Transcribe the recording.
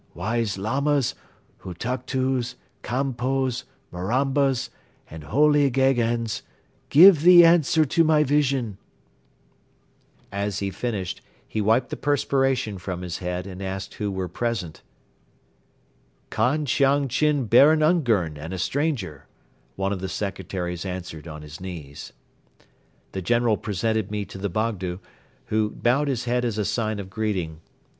Wise Lamas, Hutuktus, Kanpos, Marambas and Holy Gheghens, give the answer to my vision!" As he finished, he wiped the perspiration from his head and asked who were present. "Khan Chiang Chin Baron Ungern and a stranger," one of the secretaries answered on his knees. The General presented me to the Bogdo, who bowed his head as a sign of greeting.